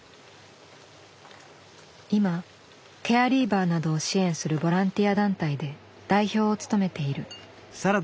今ケアリーバーなどを支援するボランティア団体で代表を務めている。